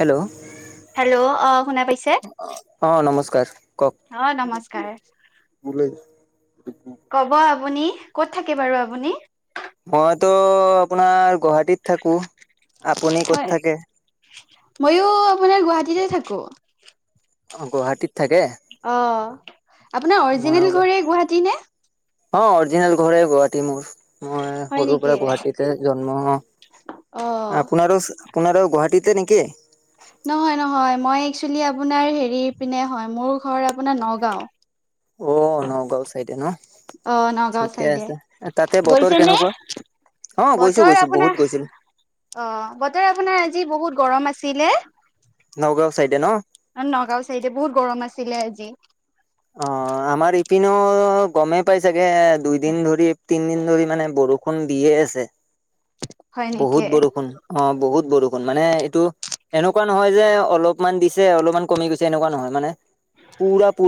Hello. Hello, অ' শুনা পাইছে? অ', নমস্কাৰ অ নমস্কাৰ কওঁক! ক'ব আপুনি ক'ত থাকে বাৰু আপুনি? মইতো আপোনাৰ গুৱাহাটীত থাকোঁ। হয়, ময়ো আপোনাৰ গুৱাহাটীতে থাকোঁ। অ' গুৱাহাটীত থাকে? অ' আপোনাৰ মই অৰিজিনেল ঘৰে গুৱাহাটী নে? অ' অৰিজিনাল ঘৰে গুৱাহাটী মোৰ! মই হয় সৰুৰ নেকি পৰা গুৱাহাটীতে জন্ম অ আপোনাৰো? আপোনাৰো গুৱাহাটীতে নেকি? নহয়, নহয় মই এক্সুয়েলি আপোনাৰ হেৰি পিনে হয়, মোৰ ঘৰ আপোনাৰ নগাঁও। অ' নগাঁও চাইডে ন অ নগাঁও ঠিকে চাইডে আছে তাতে বতৰ গৈছে নে কেনেকোৱা? অ' গৈছো, বতৰ গৈছো বহুত আপোনাৰ গৈছিলোঁ। অ' বতৰ আপোনাৰ আজি বহুত গৰম আছিলে। নগাঁও চাইডে ন'? নগাঁও চাইডে বহুত গৰম আছিলে আজি অ [inaudible] আমাৰ ইপিনো গমেই পাই চাগে দুইদিন ধৰি তিনদিন ধৰি মানে বৰষ বৰষুণ দিয়ে আছে হয় বহুত নেকি বৰষুণ অ বহুত বৰষুণ মানে এইটো এনেকোৱা নহয় যে অলপমান দিছে অলপমান কমি গৈছে এনেকোৱা নহয় মানে পুৰা পু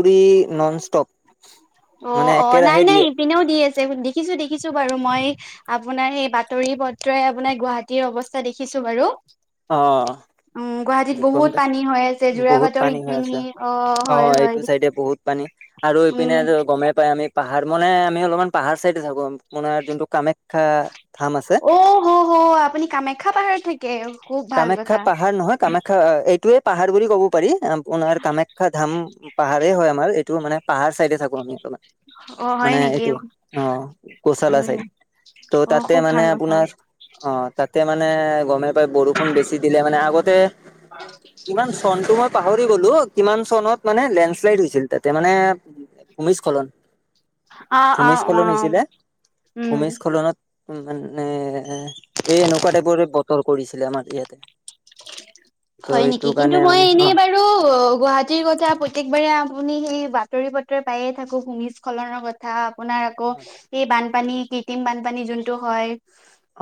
নন ষ্টপ অ মানে অ নাই একেৰাহে নাই দিয়ে ইপিনেও দি আছে দেখিছোঁ দেখিছোঁ বাৰু মই আপোনাৰ সেই বাতৰি পত্ৰই আপোনাৰ গুৱাহাটীৰ অৱস্থা দেখিছো বাৰু অ উম গুৱাহাটীত গম বহুত পাইছে পানী হৈ আছে বহুত যোৰাবাটৰ পানী হৈ আছে সিখিনি অ হয় এইটো হয় চাইডে বহুত পানী আৰু ইপিনে উম, টো গমে পাই আমি পাহাৰ মানে আমি অলপমান পাহাৰ চাইডে থাকো আপোনাৰ যোনটো কামাখ্যা ধাম আছে অ হ হ আপুনি কামাখ্যা পাহাৰত থাকে খুব ভাল কামাখ্যা কথা। পাহাৰ নহয় কামাখ্ খ্যা এইটোয়ে পাহাৰ বুলি ক'ব পাৰি আপোনাৰ কামাখ্যা ধাম পাহাৰেই হয় আমাৰ এইটো মানে পাহাৰ চাইডে থাকো আমি এক অ', হয় মানে নেকি এইটো অ গৌচালা উম, চাইদ ত' অ', তাতে খুব মানে ভাল কথা আপোনাৰ অ তাতে মানে গমেই পায় বৰষ বৰষুণ বেছি দিলে মানে আগতে কিমান চনটো মই পাহৰি গলো কিমান চনত মানে লেণ্ড শ্লাইড হৈছিল তাতে মানে ভূমিস্খলন অ', অ', ভূমিস্খলন হৈ অ', হৈছিলে উম। ভূমিস্খলনত মানে এই এনেকুৱা টাইপৰে বতৰ কৰিছিলে আমাৰ ইয়াতে ত' হয় এইটো নেকি কিন্তু কাৰণে মই মানে অ এনেই বাৰু অ গুৱাহাটীৰ কথা প্ৰত্যেকবাৰেই আপুনি সেই বাতৰি পত্ৰত পায়ে থাকো ভূমিস্খলনৰ কথা থা আপোনাৰ আকৌ এই বানপানী কৃত্ৰিম বানপানী যোনটো হয়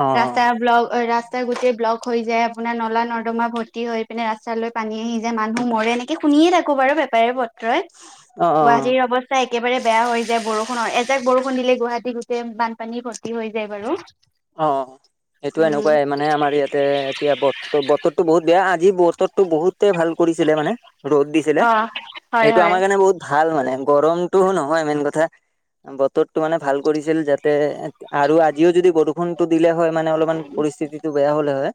অ ৰাস্তা ব্লক ৰাস্তা গোটেই ব্লক হৈ যায় আপোনাৰ নলা নৰ্দমা ভৰ্তি হৈ পিনে ৰাস্তালৈ পানী আহি যায় মানুহ মৰে এনেকে শুনিয়ে থাকো বাৰু পেপাৰে পত্ৰই ই অ অ অ গুৱাহাটীৰ অৱস্থা প্ৰায় একেবাৰে বেয়া হৈ যায় বৰষুণৰ এজাক বৰষুণ দিলে গুৱাহাটী গোটেই বানপানী ভৰ্তি হৈ যায় বাৰু অ সেইটো উম এনেকুৱাই মানে আমাৰ ইয়াতে এতিয়া বত বতৰতো বহুত বেয়া আজি বতৰ টো বহুতে ভাল কৰিছিলে মানে ৰ'দ দিছিলে অ হয় এইটো হয় আমাৰ কাৰণে বহুত ভাল মানে গৰমটোও নহয় মেইন কথা বতৰ টো মানে ভাল কৰিছিল যাতে আৰু আজিও যদি বৰষুণ বৰষুনটো দিলে হয় মানে অলপমান পৰিস্থিতিটো বেয়া হ'লে হয়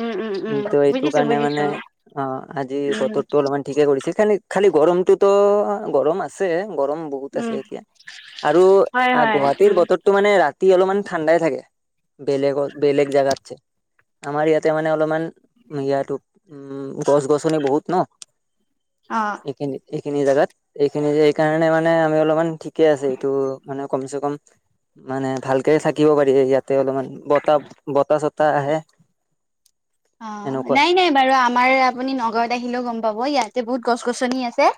উম উম উম তো এইটো বুজিছো কাৰণে বুজিছো মানে অ আজি উম বতৰটো অলপমান ঠিকে কৰিছে খালি খালি গৰমটোতো গৰম আছে গৰম বহুত বহুত উম আছে এতিয়া আৰু হয় হয় গুৱাহাটীৰ উম। বতৰটো মানে ৰাতি অলপমান ঠাণ্ডাই থাকে। বেলেগত বেলেগ জেগাতছে আমাৰ ইয়াতে মানে অলপমান ইয়াতো উম গছ গছনি বহুত ন অ এইখিনি এইখিনি জোগাত এইখিনি এই কাৰণে মানে আমি অলপমান ঠিক ঠিকে আছে এইটো মানে কম চে কম মানে ভালকে থাকিব পাৰি ইয়াতে অলপমান বতাহ বতাহ চতাহ আহে অ এনেকুৱা নাই নাই বাৰু আমাৰ আপুনি নগৰত আহিলেও গম পাব ইয়াতে বহুত গছ গছনি আছে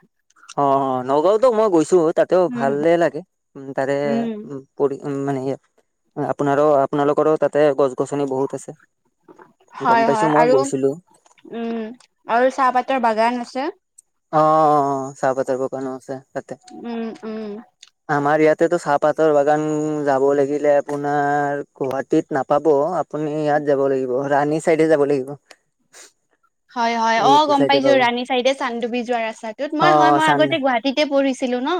অ নগাঁওতো মই গৈছো তাতেও উম ভালে লাগে উ তাৰে উম। উ পৰি উম মানে আপোনাৰো আপোনালোকৰো তাতে গছ গছনি বহুত আছে। গম হয় হয় পাইছোঁ মই আৰু গৈছিলোঁ। উম! আৰু চাহপাতৰ বাগান আছে। অঁ-অঁ! চাহপাতৰ বাগানো আছে তাতে। উম-উম। আমাৰ ইয়াতেতো চাহপাতৰ বাগান যাব লাগিলে আপোনাৰ গুৱাহাটীত নাপাব আপুনি ইয়াত যাব লাগিব ৰাণী চাইডে যাব লাগিব। হয়-হয়। অ! এইটো গম চাইডে পাইছো পাব ৰাণী চাইডে চান্দুবি যোৱা ৰাস্তাটোত অ মই হয় মই আগতে গুৱাহাটী তিতে পঢ়িছিলো ন।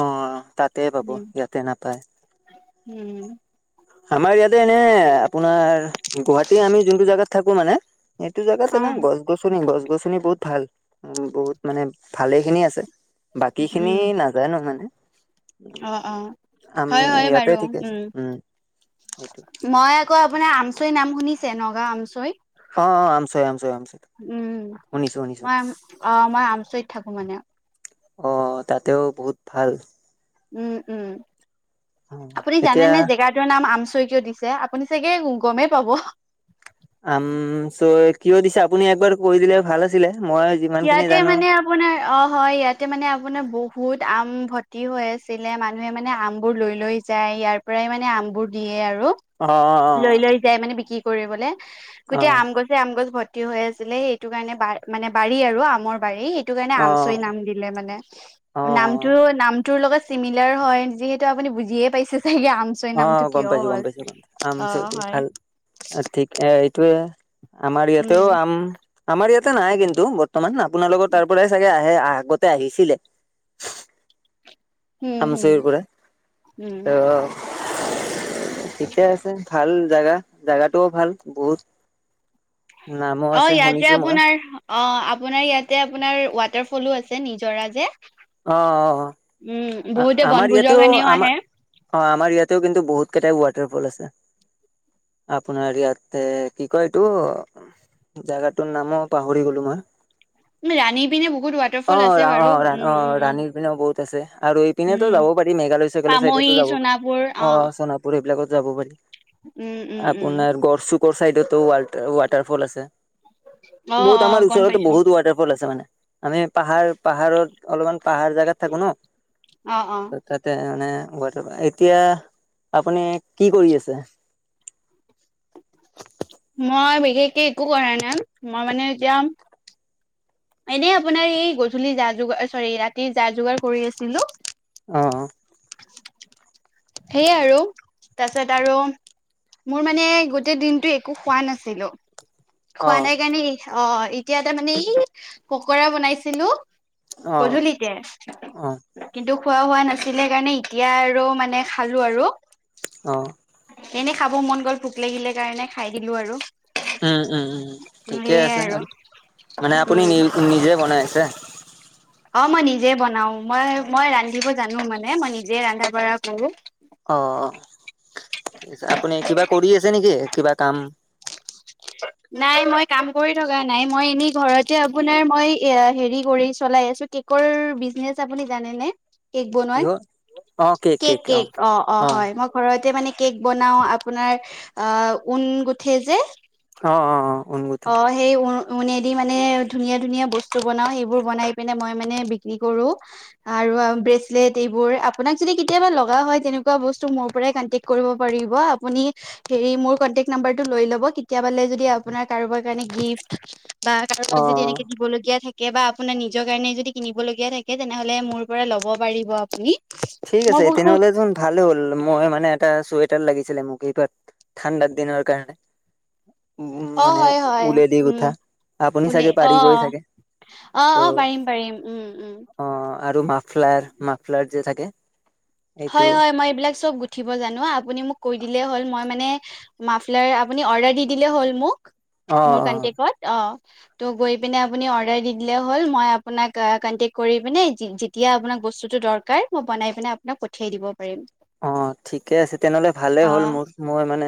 অঁ! তাতে পাব উম ইয়াতে নাপায়। উম। আমাৰ ইয়াতে এনে আপোনাৰ গুৱাহাটী আমি যোনটো জেগাত থাকো মানে এইটো জেগাতে অ এনে গছ-গছনি, গছ-গছনি বহুত ভাল। উম! বহুত মানে ভালে খিনি আছে বাকীখিনি উম। নাজানো মানে। অ অ আমি হয় হয় ইয়াতে বাৰু ঠিক আছোঁ। উম! মই আকৌ আপোনাৰ আমচৈ নাম শুনিছে? নগাঁও আমচৈ? অঁ-অঁ! আমচৈ-আমচৈ-আমচৈ। উম! মই অ মই আমচৈত থাকোঁ মানে। অ! তাতেও বহুত ভাল। উম-উম! আপুনি জানে এতিয়া নে জেগাত জেগাটোৰ নাম আমচৈ কিয় দিছে আপুনি চাগে গমেই পাব? আমচৈ কিয় দিছে আপুনি একবাৰ কৈ দিলে ভাল আছিলে। মই যিমান খিনি ইয়াতে জানো মানে আপোনাৰ অঁ হয় ইয়াতে মানে আপোনাৰ বহুত আম ভৰ্তি হৈ আছিলে। মানুহে মানে আমবোৰ লৈ-লৈ যায় ইয়াৰ পৰাই মানে আমবোৰ দিয়ে আৰু। অ' অ' লৈ-লৈ যায় মানে বিক্ৰী কৰিবলে। গোটেই অ' আম গছ আম গছ ভৰ্তি হৈ আছিলে সেইটো কাৰণে বা মানে বাৰী আৰু আমৰ বাৰী সেইটো কাৰণে অ' আমচৈ নাম দি দিলে মানে। অ' নামটো নামটোৰ লগত চিমিলাৰ হয়। যিহেতু আপুনি বুজিয়ে পাইছে চাগে আম অ! গম পাইছোঁ, গম পাইছোঁ। আমচৈটো হয় ভাল ঠিক এ এইটোৱে আমাৰ উম ইয়াতেও আম আমাৰ ইয়াতে নাই কিন্তু বৰ্তমান। আপোনালোকৰ তাৰ পৰাই চাগে আহে আগতে আহিছিলে। হম হম আমচৈৰ পৰা উম ত [unintelligible] ঠিকে আছে, ভাল জেগা, জেগাটোও ভাল বহুত। নামো অঁ! আছে ইয়াতে শুনিছো মই আপোনাৰ অঁ! আপোনাৰ ইয়াতে আপোনাৰ ৱাটাৰ ফলো আছে নিজৰা যে। অঁ! উম বহুতে আমাৰ বনভোজৰ ইয়াতেও কাৰণেও আহে আমাৰ অঁ আমাৰ ইয়াতেও কিন্তু বহুত কেইটাই ৱাটাৰফল আছে। আপোনাৰ ইয়াতে কি কয় এইটো জেগাটোৰ নামো পাহৰি গলোঁ মই। ৰাণী পিনে বহুত ৱাটাৰফল আছে বাৰু। উম-উম-উম! সেই পিনেই বহুত আছে। আৰু এইপিনেতো যাব পাৰি মেঘালয়-চেগালয়ৰ চাইডো পামহি যাব সোণাপুৰ [unintelligible] অ অঁ চনত। পূৰ এইবিলাকত যাব পাৰি। উম উম উম আপোনাৰ গড়চুকৰ চাইডতো ৱাটাৰ ফল আছে। অ বহুত অ আমাৰ গম ওচৰতে পাইছো বহুত ৱাটাৰফল আছে মানে। আমি পাহাৰ পাহাৰত অলপমান পাহাৰ জেগাত থাকোঁ ন। অ', অ'। তাতে মানে, এতিয়া আপুনি কি কৰি আছে? মই বিশেষকে একো কৰা নাই, মই মানে এতিয়া এনেই আপোনাৰ এই গধূলি যা -যোগাৰ, চৰি ৰাতিৰ যা যোগাৰ কৰি আছিলো। অ' অ '। সেয়ে আৰু তাৰপিছত আৰু মোৰ মানে গোটেই দিনটো একো খোৱা নাছিলো। খোৱা অ', নাই কাৰণে, অ এতিয়া তামানে ই পকৰা বনাইছিলো। অ', গধুলিকে। অ', কিন্তু খোৱা হোৱা নাছিলে কাৰণে, এতিয়া আৰু মানে খালো আৰু। অ'। এনেই খাব মন গ'ল, ভোক লাগিলে কাৰণে খাই দিলো আৰু। উম' উম 'উম 'ঠিকে সেয়াই আছে আৰু মানে আপুনি উম নি নিজে বনাইছে? অ', মই নিজে বনাও মই, মই ৰান্ধিব জানো মানে মই নিজে ৰান্ধা বঢ়া কৰো। অ', ঠিক আছে, আপুনি কিবা কৰি আছে নেকি কিবা কাম? [unintelligible] নাই মই কাম কৰি থকা নাই, মই এনেই ঘৰতে আপোনাৰ মই এ হেৰি কৰি চলাই আছো। কেকৰ বিজনেচ আপুনি জানেনে? কেক বনাই, কিহৰ কেক কেক অ', অ' হয় মই ঘৰতে মানে কেক বনাই, আপোনাৰ অ', ঊন গুঠে যে। অ', অ', অ', ঊণ গুঠে। অ', সেই উ ঊন দি মানে ধুনীয়া ধুনীয়া বস্তু বনাও, সেইবোৰ বনাই পিনে মই মানে বিক্ৰী কৰো। আৰু ব্ৰেচলেট এইবোৰ আপোনাক যদি কেতিয়াবা লগা হয়, তেনেকুৱা বস্তু মোৰ পৰা কানটেক কৰিব পাৰিব, আপুনি হেৰি মোৰ কনটেক্ট নাম্বাৰটো লৈ লব কেতিয়াবালে যদি আপোনাক কাৰোবাৰ কাৰণে গিফ্ট বা কাৰোবাক যদি অ', এনেকে দিবলগীয়া থাকে। কে বা আপোনাৰ নিজৰ কাৰণে যদি কিনিবলগীয়া থাকে, তেনেহলে মোৰ পৰা ল'ব পাৰিব আপুনি। ঠিক মই আছে, বহুত তেনেহ'লে চোন ভালে হ'ল, মই মানে এটা চুৱেটাৰ লাগিছিলে মোক এইতাত ঠাণ্ডা দিনৰ কাৰণে। উম অ মানে হয় হয় ঊলে দি উম গুঠা, আপুনি বুলি চাগে অ পাৰিবই চাগে। অ', অ', ত' পাৰিম পাৰিম উম, উম। অ আৰু মাফলাৰ মাফলাৰ যে থাকে। এইটো হয়' হয়' মই এইবিলাক চব গু গুঠিব জানো আপুনি মোক কৈ দিলেই হ'ল, মই মানে মাফলাৰ আপুনি অৰ্ডাৰ দি দিলেই হ'ল মোক। অ', মোৰ অ', কনটেক্টত অঁ। টো গৈ পিনে আপুনি অৰ্ডাৰ দি দিলে হল, মই আপোনাক কনটেক্ট কৰি পিনে যি যেতিয়া আপোনাক বস্তুটো দৰকাৰ, মই বনাই পিনে আপোনাক পঠিয়াই দিব পাৰিম। অ ঠিকে আছে তেনেহ'লে ভালে অ হ'ল, মই মই মানে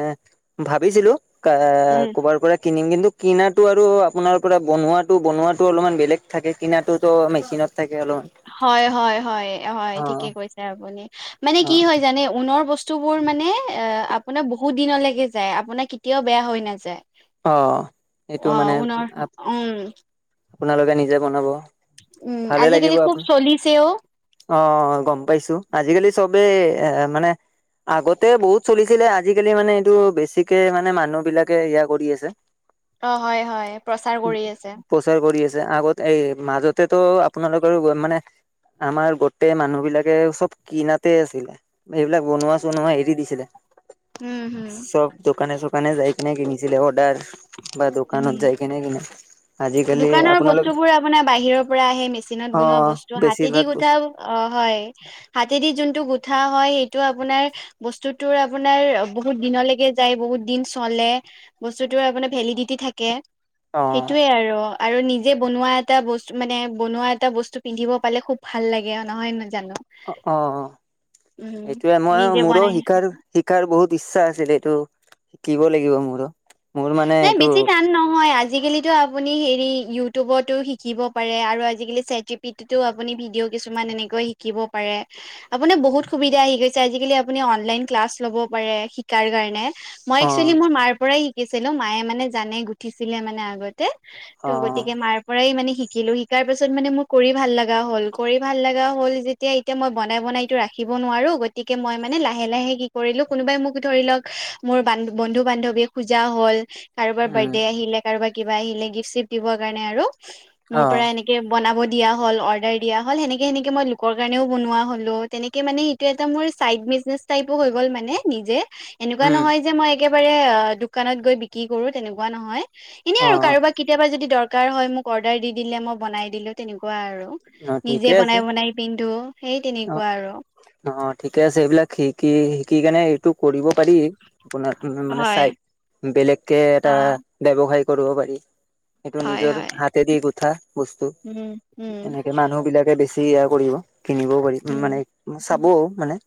ভাবিছিলো। কা উম কোবাৰ পৰা কিনিম কিন্তু কিনাটো আৰু আপোনাৰ পৰা বনোৱাটো বনোৱাটো অলপমান বেলেগ থাকে, কিনাটো ত মেচিনত তাকে অলপ। হয়' হয়' হয়' হয় 'ঠিকে কৈছে আপুনি, মানে অ কি হয় জানে ঊনৰ বস্তু বস্তুবোৰ মানে আ আপোনাৰ বহুত দিনলৈকে যায়, আপোনাৰ কেতিয়াও বেয়া হৈ নাযায়। অ 'এইটো অ মানে ঊণৰ উম আপোনালোকে নিজে বনাব। উম ভালে লাগিব 'আজিকালি খুব আপোন চলিছেও। অ গম পাইছো, আজিকালি চবে এ মানে আগতে বহুত চলিছিলে আজিকালি মানে এইটো বেছিকে মানে মানুহ বিলাকে সেইয়া কৰি আছে অ', হয়, হয় প্ৰচাৰ কৰি আছে। প্ৰচাৰ কৰি আছে আগতে এই মাজতেটো আপোনালোকৰ মানে? আমাৰ গোটেই মানুহ বিলাকে চব কিনাতে আছিলে। এইবিলাক বনোৱা -চনোৱা এৰি দিছিলে। উম, হুম, চব দোকানে -চোকানে যায় কিনে কিনিছিলে অৰ্ডাৰ। বা দোকানত হুম, যায় কিনে। আজিকালি দোকানৰ আপোনালোক বস্তু বোৰ আপোনাৰ বাহিৰৰ পৰা আহে মেচিনত অ বনোৱা বস্তু হাতে দি বেছিভাগ গুঠা বস্তু অ' হয় হাতেদি যোনটো গুঠা হয় সেইটো আপোনাৰ বস্তুতো আপোনাৰ বহুত দিনলৈকে যায় বহুত দিন চলে বস্তুতো আপানাৰ ভেলিডিটি থাকে। অ'। সেই আৰু, আৰু নিজে বনোৱা এটা বস্তু মানে বনোৱা এটা বস্তু পিন্ধিব পালে খুৱ ভাল লাগে নহয় জানো। অ' উম, সেইটোৱে মই নিজে মোৰো বনাই শিকাৰ শিকাৰ বহুত ইচ্ছা আছিলে এইটো শিকিব লাগিব মোৰো ও নাই বেছি টান নহয় আজিকালি আপুনি হেৰি ইউটিউবতো শিকিব পাৰে আৰু আজিকালি‌ চেট জীপীটি আপুনি ভিডিঅ' কিছুমান এনেক গৈ শিকিব পাৰে। আপুনি বহুত সুবিধা আহি গৈছে আজিকালি আপুনি অনলাইন ক্লাছ ল'ব পাৰে শিকাৰ কাৰণে। মই অ এক্চুৱেলি মোৰ মাৰ পৰাই শিকিছিলো মায়ে মানে জানে গুঠিছিলে মানে আগত। [unintelligible] অ গতিকে মাৰ পৰা পৰাই মানে শিকিলোঁ, শিকাৰ পাছত মানে মোৰ কৰি ভাল লগা হ'ল কৰি ভাল লগা হ'ল যে এতিয়া এতিয়া মই বনাই বনাইটো ৰাখিব নোৱাৰো গতিকে মই মানে লাহে লাহে কি কৰিলো কোনোবাই মোক ধৰি লওঁক মোৰ বান, বন্ধু পূজা হ'ল কাৰোবাৰ উম বিৰ্থডা আহিলে কাৰোবাৰ কিবা আহিলে গিফ্ট চিফ্ট দিবৰ কাৰণে আৰু মোৰ অ পৰা এনেক বনাব দিয়া হ'ল অৰ্ডাৰ দিয়া হ'ল সেনেকে, সেনেকে মই লোকৰ কাৰণেও বনোৱা হলো তেনেকে মানে টো এটা মোৰ চাইদ বিজনেছ টাইপো হৈ গ'ল মানে নিজে এনেকুৱা উম নহয় যে, মই একেবাৰে দোকানত গৈ বিক্ৰী কৰো তেনেকুৱা নহয় এনেই আৰু অ কাৰোবাক কেতিয়াবা যদি দৰকাৰ হয় মোক অৰ্ডাৰ দি দিলে মই বনাই দিলো তেনেকুৱা আৰু অ ঠিকে নিজে আছে বনাই বনাই পিন্ধো সেই অ তেনেকুৱা আৰু অ', ঠিকে আছে এইবিলাক শিকি, শিকি কেনে টো কৰিব পাৰি আপোনাৰ মানে হয় চাই বেলেগকে এটা অ ব্যৱসায় কৰিব পাৰি। সেইটো হয় নিজৰ হয় হাতে দি গোঠা বস্তু উম উম এনেকে মানুহ বিলাকে বেছি য়া কৰিব কিনিবও পাৰি উম মানে, উম চাবও মানে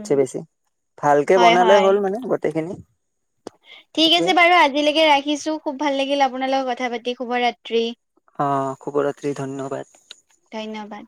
উম বেছি [unintelligible] ভালকে হয় বনালে হয় হ'ল মানে গোটেইখিনি ঠিক এইটোৱে আছে বাৰু আজিলৈকে ৰাখিছোঁ। খুব ভাল লাগিল আপোনাৰ লগত কথা পাতি শুভৰাত্ৰি। অ', শুভৰাত্ৰি ধন্যবাদ। ধন্যবাদ।